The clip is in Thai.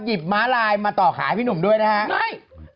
หยิบมาลายมาต่อขาให้พี่หนุ่มด้วยนะครับ